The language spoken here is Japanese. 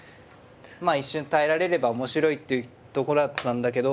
一瞬耐えられれば面白いっていうとこだったんだけど。